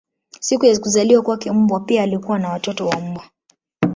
Siku ya kuzaliwa kwake mbwa pia alikuwa na watoto wa mbwa.